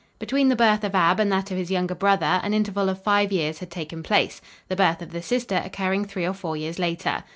Between the birth of Ab and that of his younger brother an interval of five years had taken place, the birth of the sister occurring three or four years later.